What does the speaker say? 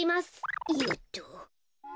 よっと。